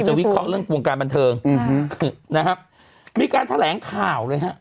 วิเคราะห์เรื่องวงการบันเทิงอืมนะครับมีการแถลงข่าวเลยฮะ